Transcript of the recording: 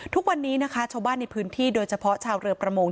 ทุกวันนี้นะคะชาวบ้านในพื้นที่โดยเฉพาะชาวเรือประมง